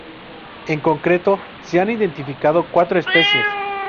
En concreto se han identificado cuatro especies.